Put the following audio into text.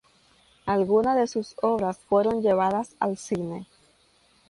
Algunas de sus obras fueron llevadas al cine.